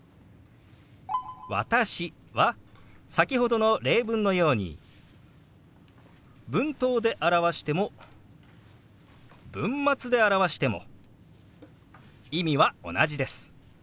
「私」は先ほどの例文のように文頭で表しても文末で表しても意味は同じです。